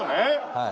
はい。